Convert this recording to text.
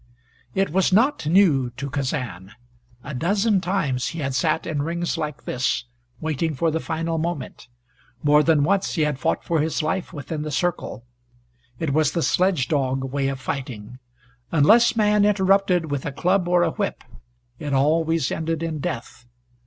It was not new to Kazan. A dozen times he had sat in rings like this, waiting for the final moment. More than once he had fought for his life within the circle. It was the sledge dog way of fighting. Unless man interrupted with a club or a whip it always ended in death.